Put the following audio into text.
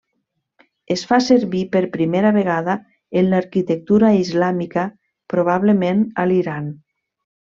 Es va fer servir per primera vegada en l'arquitectura islàmica, probablement a l'Iran.